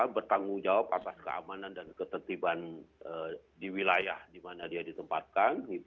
bertanggung jawab atas keamanan dan ketertiban di wilayah di mana dia ditempatkan